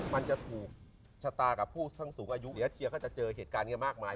มันจะถูกชะตากับผู้ทั้งสูงอายุเชียร์เขาจะเจอเหตุการณ์อย่างนี้มากมาย